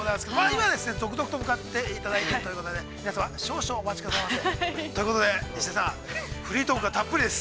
今ぞくぞくと向かっていただいているということで、皆様、少々お待ちください。ということで石田さん、フリートークがたっぷりです。